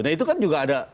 nah itu kan juga ada